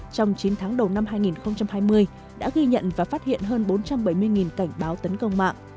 trong chín tháng đầu năm hai nghìn hai mươi đã ghi nhận và phát hiện hơn bốn trăm bảy mươi cảnh báo tấn công mạng